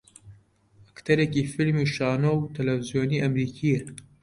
ئەکتەرێکی فیلم و شانۆ و تەلەڤیزیۆنی ئەمریکییە